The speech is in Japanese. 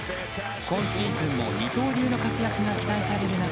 今シーズンも二刀流の活躍が期待される